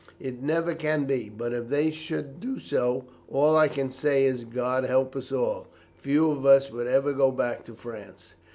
It never can be, but if they should do so, all I can say is, God help us all. Few of us would ever go back to France."